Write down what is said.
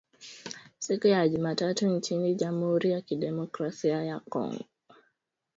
siku ya Jumatatu nchini Jamhuri ya Kidemokrasi ya Kongo